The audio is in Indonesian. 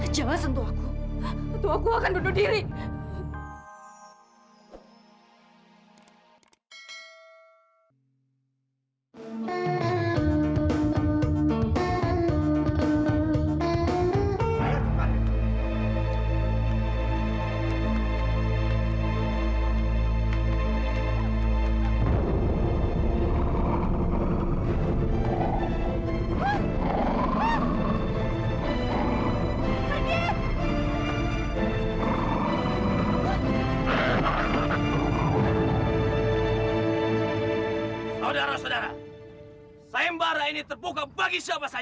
jangan dahlia jangan